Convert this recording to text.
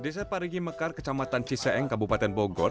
desa parigi mekar kecamatan ciseeng kabupaten bogor